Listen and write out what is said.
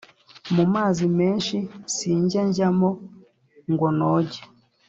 mu mazi menshi sinjya njyamo ngo noge